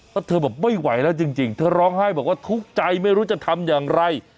แล้วเธอแบบไม่ไหวแล้วจริงเธอร้องไห้บอกว่าทุกข์ใจไม่รู้จะทำอย่างไร